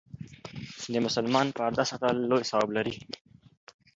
د مسلمان پرده ساتل لوی ثواب لري.